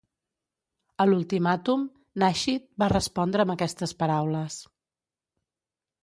A l'ultimàtum, Nasheed va respondre amb aquestes paraules.